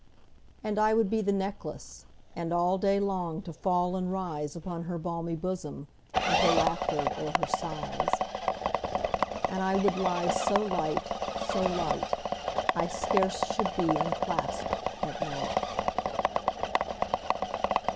And I would be the necklace, And all day long to fall and rise Upon her balmy bosom, 15 With her laughter or her sighs: And I would lie so light, so light, I scarce should be unclasp'd at night.